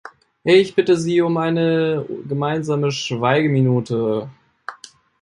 Ich bitte Sie um eine gemeinsame Schweigeminute.